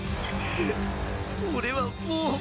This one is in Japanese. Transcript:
俺はもう。